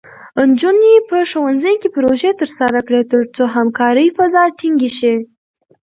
نجونې په ښوونځي کې پروژې ترسره کړي، ترڅو همکارۍ فضا ټینګې شي.